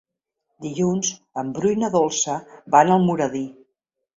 Dilluns en Bru i na Dolça van a Almoradí.